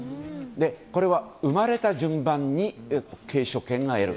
これは生まれた順番に継承権を得る。